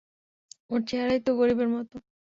ওর চেহারাই ত গরিবের মতো।